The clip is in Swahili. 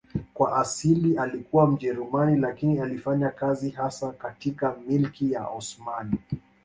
Kwa asili alikuwa Mjerumani lakini alifanya kazi hasa katika Milki ya Osmani.